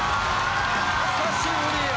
久しぶりや。